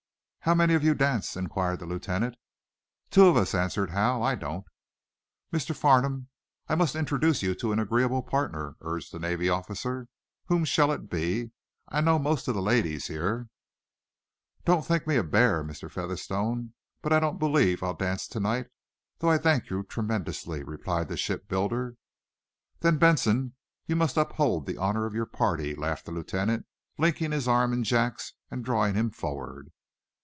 "How many of you dance?" inquired the lieutenant. "Two of us," answered Hal. "I don't." "Mr. Farnum, I must introduce you to an agreeable partner," urged the Navy officer. "Who shall it be? I know most of the ladies here." "Don't think me a bear, Mr. Featherstone, but I don't believe I'll dance to night, though I thank you tremendously," replied the shipbuilder. "Then, Benson, you must uphold the honor of your party," laughed the lieutenant, linking his arm in Jack's and drawing him forward.